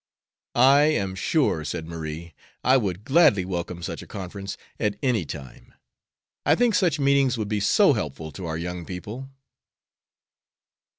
"I am sure," said Marie, "I would gladly welcome such a conference at any time. I think such meetings would be so helpful to our young people."